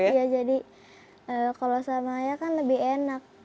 iya jadi kalau sama ayah kan lebih enak